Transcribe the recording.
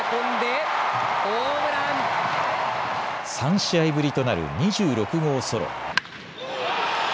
３試合ぶりとなる２６号ソロ。